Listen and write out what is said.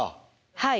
はい。